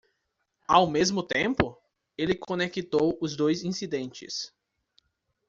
Ao mesmo tempo? ele conectou os dois incidentes.